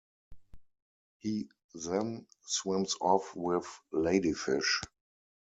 He then swims off with Ladyfish.